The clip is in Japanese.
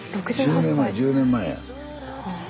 １０年前１０年前や。